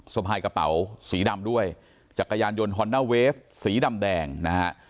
สะพายกระเป๋าสีดำด้วยจักรยานยนต์ฮอนด้าเวฟสีดำแดงนะฮะ